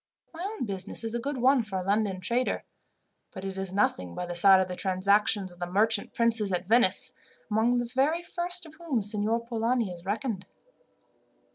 My own business is a good one for a London trader, but it is nothing by the side of the transactions of the merchant princes at Venice, among the very first of whom Signor Polani is reckoned."